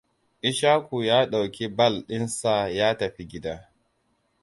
Ishaku ya ɗauki bal ɗinsa ya tafi gida.